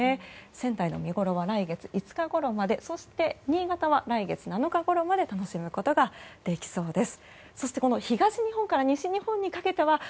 仙台に見ごろは来月５日ごろまで新潟は来月７日ごろまで楽しむことができそうです。